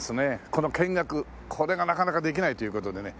この見学これがなかなかできないという事でね。